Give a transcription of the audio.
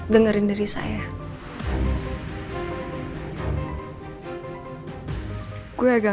dengerin dari saya